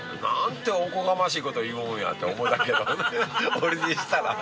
俺にしたら。